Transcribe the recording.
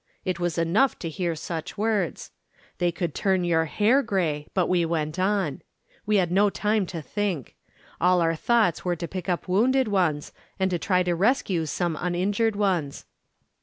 It was enough to hear such words. They could turn your hair grey, but we went on. We had no time to think. All our thoughts were to pick up wounded ones, and to try to rescue some uninjured ones.